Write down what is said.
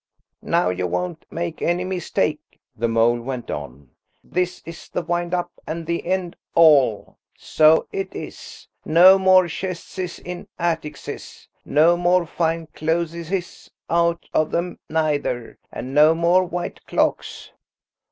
"Now, you won't make any mistake," the mole went on. "This is the wind up and the end all. So it is. No more chestses in atticses. No more fine clotheses out of 'em neither. An' no more white clocks."